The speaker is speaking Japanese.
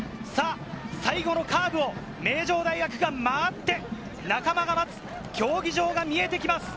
最後のカーブを名城大学が回って、仲間が待つ競技場が見えてきます。